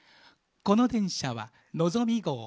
この電車は「のぞみ号」